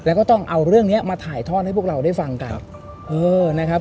เอาเรื่องนี้มาถ่ายท่อนให้พวกเราได้ฟังกัน